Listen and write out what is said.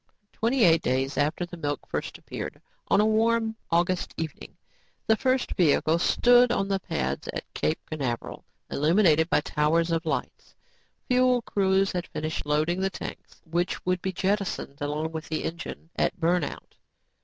Twenty eight days after the milk first appeared, on a warm August evening, the first vehicle stood on the pads at Cape Canaveral, illuminated by towers of lights. Fuel crews had finished loading the tanks which would be jettisoned along with the engine at burn out.